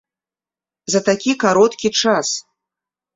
За такі кароткі час.